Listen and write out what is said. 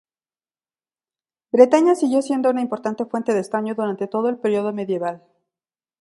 Bretaña siguió siendo una importante fuente de estaño durante todo el período medieval.